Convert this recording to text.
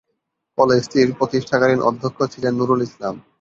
কলেজটির প্রতিষ্ঠাকালীন অধ্যক্ষ ছিলেন নূরুল ইসলাম।